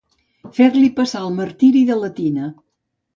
Fer-li passar el martiri de la tina.